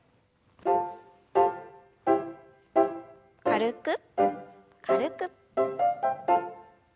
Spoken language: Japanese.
軽く軽く。